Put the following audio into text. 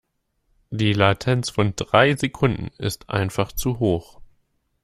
Die Latenz von drei Sekunden ist einfach zu hoch.